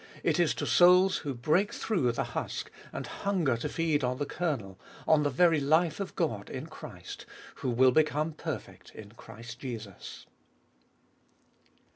It is to souls who break through the husk, and hunger to feed on the kernel, on the very life of God in Christ, who will become perfect in Christ Jesus.